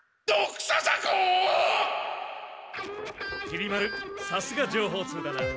きり丸さすが情報通だな。